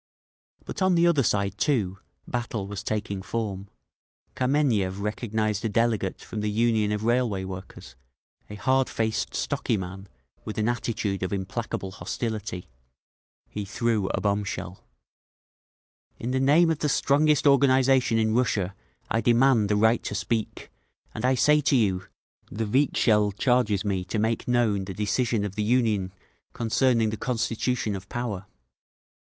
But on the other side, too, battle was taking form. Kameniev recognised a delegate from the Union of Railway Workers, a hardfaced, stocky man with an attitude of implacable hostility. He threw a bombshell. "In the name of the strongest organisation in Russia I demand the right to speak, and I say to you: the Vikzhel charges me to make known the decision of the Union concerning the constitution of Power.